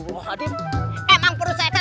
tuh laku jayeman